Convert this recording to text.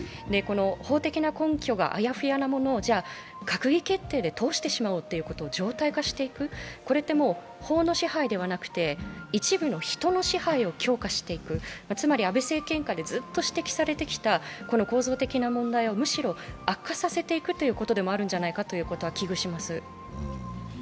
法的な根拠があやふやなものを閣議決定で通してしまおうということを常態化していく、これってもう、法の支配ではなくて、一部の人の支配を強化していく、つまり、安倍政権下でずっと指摘されてきた構造的な問題をむしろ悪化させていくということでもあるんじゃないかということは危惧します。